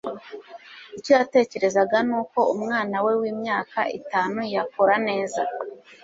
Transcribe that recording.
icyo yatekerezaga ni uko umwana we w'imyaka itanu yakora neza.